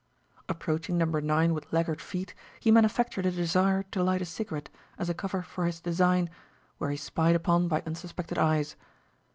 Approaching Number 9 with laggard feet, he manufactured a desire to light a cigarette, as a cover for his design, were he spied upon by unsuspected eyes.